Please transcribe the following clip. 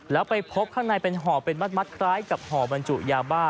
แล้วไปพบข้างในเป็นห่อเป็นมัดคล้ายกับห่อบรรจุยาบ้า